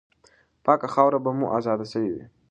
پاکه خاوره به مو آزاده سوې وي.